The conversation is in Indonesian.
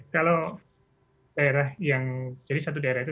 kalau daerah yang jadi satu daerah itu